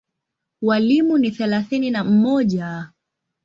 Walimu ni thelathini na mmoja.